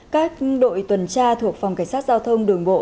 các đội tuần tra thuộc phòng cảnh sát giao thông đường bộ